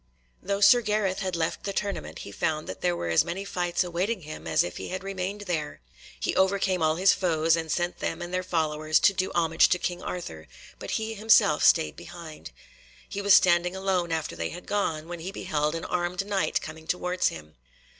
Though Sir Gareth had left the tournament he found that there were as many fights awaiting him as if he had remained there. He overcame all his foes, and sent them and their followers to do homage to King Arthur, but he himself stayed behind. He was standing alone after they had gone, when he beheld an armed Knight coming towards him.